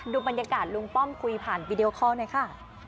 ดูบรรยากาศลุงป้อมคุยผ่านวีดีโอคอลหน่อยค่ะ